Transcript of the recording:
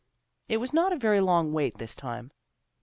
" It was not a very long wait this time.